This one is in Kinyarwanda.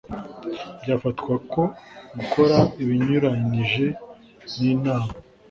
byafatwako gukora ibinyuranije n inama